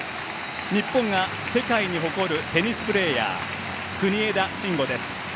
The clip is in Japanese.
日本が世界に誇るテニスプレーヤー国枝慎吾です。